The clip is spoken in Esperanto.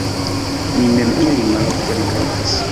Mi mem ilin malofte rigardis.